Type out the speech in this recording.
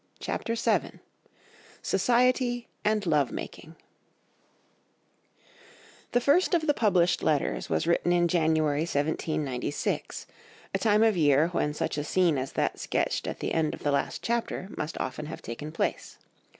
CHAPTER VII SOCIETY AND LOVE MAKING The first of the published letters was written in January 1796, a time of year when such a scene as that sketched at the end of the last chapter must often have taken place.